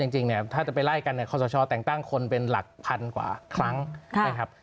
จริงเนี่ยถ้าจะไปไล่กันเนี่ยคอสชแต่งตั้งคนเป็นหลักพันกว่าครั้งนะครับ